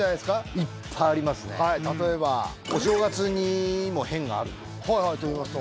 いっぱいありますねはい例えば？お正月にも変があるんですよ